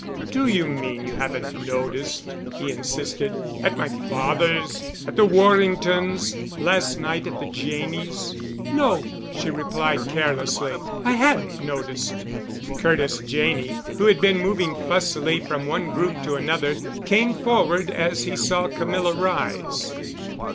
"Do you mean you haven't noticed?" he insisted. "At my father's? At the Warringtons'? Last night at the Janneys'?" "No," she replied carelessly, "I hadn't noticed." Curtis Janney, who had been moving fussily from one group to another, came forward as he saw Camilla rise.